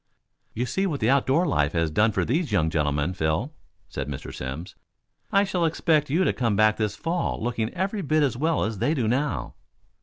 "You see what the outdoor life has done for these young gentlemen, Phil," said Mr. Simms. "I shall expect you to come back this fall, looking every bit as well as they do now.